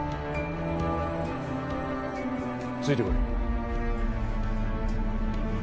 ついてこい。